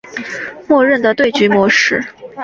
默认的对局模式。